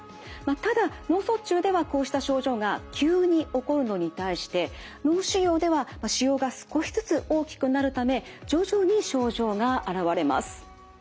ただ脳卒中ではこうした症状が急に起こるのに対して脳腫瘍では腫瘍が少しずつ大きくなるため徐々に症状が現れます。